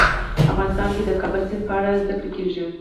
افغانستان کې د کابل سیند په اړه زده کړه کېږي.